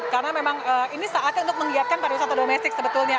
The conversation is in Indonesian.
karena memang ini saatnya untuk menggiatkan perusahaan domestik sebetulnya